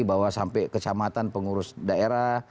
bahwa sampai kecamatan pengurus daerah